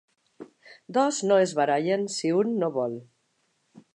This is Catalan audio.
Dos no es barallen si un no vol.